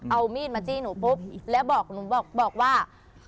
เอามีดมาจี้หนูปุ๊บแล้วบอกว่า